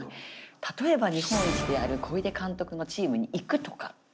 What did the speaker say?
例えば日本一である小出監督のチームに行くとか。